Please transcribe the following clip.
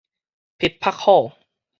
躄覆俯